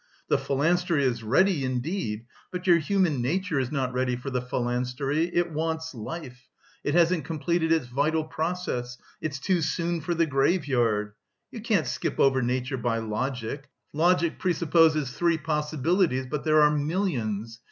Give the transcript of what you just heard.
The phalanstery is ready, indeed, but your human nature is not ready for the phalanstery it wants life, it hasn't completed its vital process, it's too soon for the graveyard! You can't skip over nature by logic. Logic presupposes three possibilities, but there are millions!